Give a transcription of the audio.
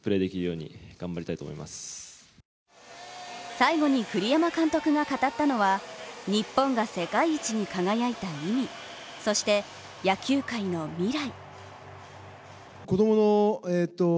最後に栗山監督が語ったのは日本が世界一に輝いた意味、そして、野球界の未来。